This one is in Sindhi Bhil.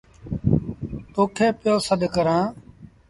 تو کي پيو سڏ ڪرآݩ ۔